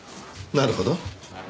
なるほど。